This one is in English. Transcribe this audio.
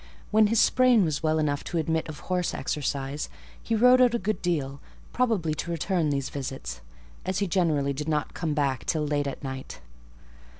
When his sprain was well enough to admit of horse exercise, he rode out a good deal; probably to return these visits, as he generally did not come back till late at night.